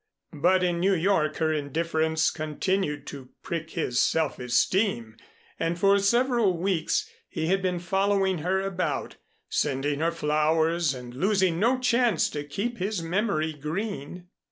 But in New York her indifference continued to prick his self esteem, and for several weeks he had been following her about, sending her flowers and losing no chance to keep his memory green.